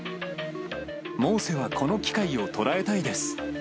モーセはこの機会を捉えたいです。